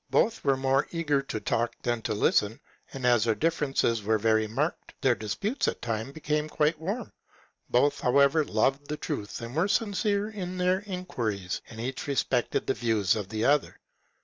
Both were more eager to talk than to listen, and as their differences were very marked, their disputes at times became quite warm ; both, however, loved the truth and were sincere in their inquiries, and each respected the views of the other.